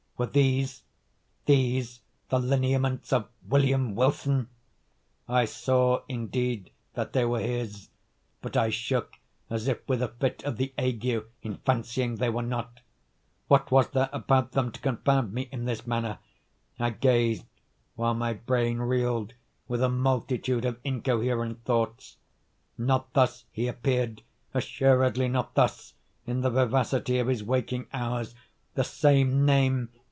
Were these—these the lineaments of William Wilson? I saw, indeed, that they were his, but I shook as if with a fit of the ague in fancying they were not. What was there about them to confound me in this manner? I gazed;—while my brain reeled with a multitude of incoherent thoughts. Not thus he appeared—assuredly not thus—in the vivacity of his waking hours. The same name!